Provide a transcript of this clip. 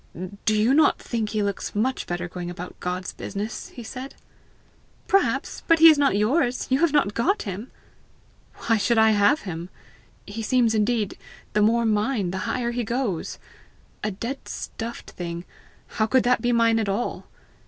"Do you not think he looks much better going about God's business?" he said. "Perhaps; but he is not yours; you have not got him!" "Why should I have him? He seems, indeed, the more mine the higher he goes. A dead stuffed thing how could that be mine at all?